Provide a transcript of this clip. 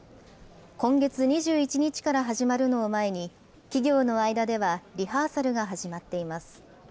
今月２１日から始まるのを前に、企業の間ではリハーサルが始まっています。